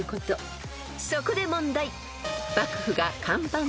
［そこで問題］